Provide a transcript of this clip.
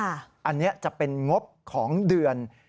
อันนี้จะเป็นงบของเดือน